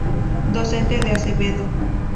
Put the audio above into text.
Docente de Acevedo.